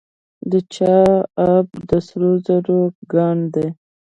د چاه اب د سرو زرو کان دی